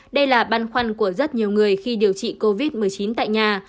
đây là băn khoăn của rất nhiều người khi điều trị covid một mươi chín tại nhà